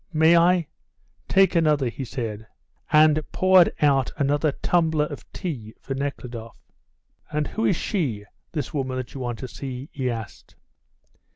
May I? Take another," he said, and poured out another tumbler of tea for Nekhludoff. "And who is she, this woman that you want to see?" he asked.